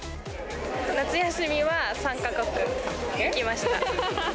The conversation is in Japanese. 夏休みは３か国行きました。